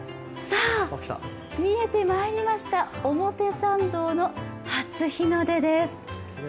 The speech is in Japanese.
見えてまいりました、表参道の初日の出です。